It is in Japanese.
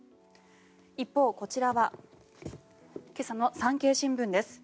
一方、こちらは今朝の産経新聞です。